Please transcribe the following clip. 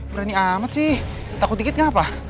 berani amat sih takut dikit nggak apa